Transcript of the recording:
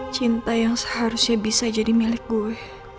cinta yang seharusnya bisa jadi milik gue